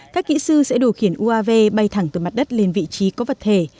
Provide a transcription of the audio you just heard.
các kỹ sư sẽ điều khiển uav bay thẳng từ mặt đất lên vị trí có vật thể